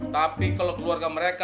tapi kalo keluarga mereka